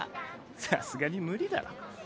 さすがに無理だろ。